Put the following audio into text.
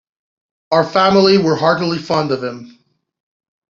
Our family were heartily fond of him.